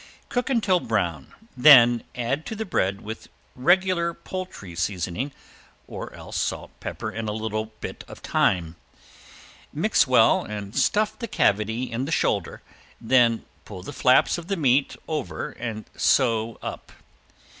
Cook until brown then add to the bread with regular poultry seasoning or else salt, pepper, and a bit of thyme. Mix well and stuff the cavity in the shoulder, then pull the flaps of the meat over and sew up.